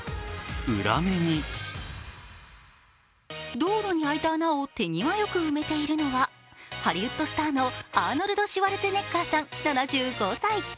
道路に開いた穴を手際よく埋めているのはハリウッドスターのアーノルド・シュワルツェネッガーさん７５歳。